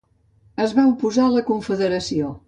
Es va oposar a la confederació.